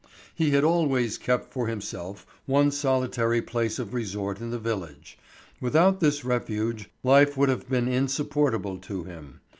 He had always kept for himself one solitary place of resort in the village. Without this refuge life would often have been insupportable to him.